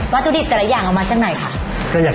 ตุดิบแต่ละอย่างเอามาจากไหนคะ